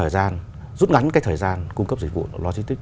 rút ngắn thời gian cung cấp dịch vụ logistics